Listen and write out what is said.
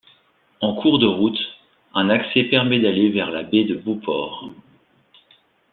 En cours de route, un accès permet d'aller vers la Baie de Beauport.